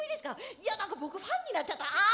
いや何か僕ファンになっちゃった。